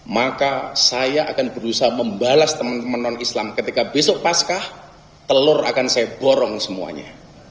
maka saya akan berusaha membalas teman teman non islam ketika besok paskah telur akan saya borong semuanya